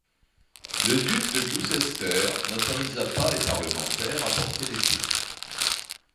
Le duc de Gloucester n'autorisa pas les parlementaires à porter l'épée.